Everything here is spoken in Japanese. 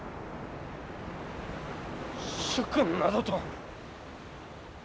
主君などと。